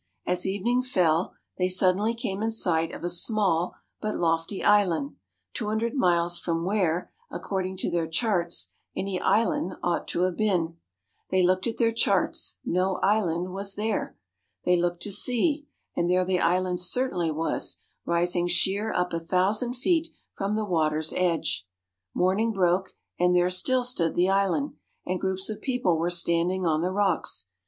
As evening fell, they suddenly came in sight of a small but lofty island, two hundred miles from where, according to their charts, any island ought to have been. They looked at their charts; no island was there. They looked to sea, and there the island certainly was, rising sheer up a thousand feet from the water's edge. Morning broke, and there still stood the island, and groups of people were standing on the rocks.